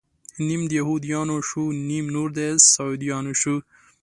نيم د يهود يانو شو، نيم نور د سعوديانو شو